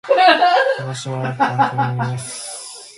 私は音楽が好きです。